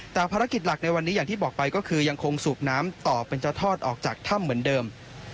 แต่ภารกิจหลักในวันนี้อย่างที่บอกไปก็คือยังคงสูบน้ำต่อเป็นเจ้าทอดออกจากถ้ำเหมือนเดิม